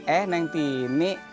eh neng tini